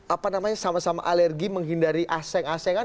apa namanya sama sama alergi menghindari asing asingan